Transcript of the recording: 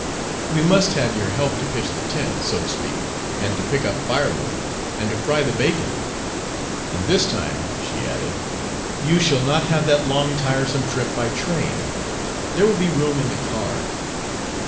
We must have your help to pitch the tent, so to speak, and to pick up firewood, and to fry the bacon.... And this time," she added, "you shall not have that long tiresome trip by train. There will be room in the car."